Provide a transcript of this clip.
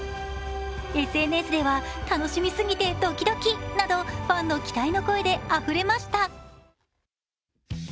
ＳＮＳでは楽しみすぎてドキドキなどファンの期待の声であふれました。